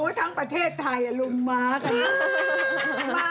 ทั้งประเทศไทยลุมม้ากัน